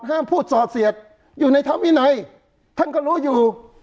ห้ามพูดสอดเสียดอยู่ในธรรมวินัยท่านก็รู้อยู่